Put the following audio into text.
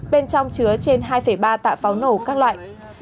bên trong chứa trên hai ba tạ pháo nổ các loại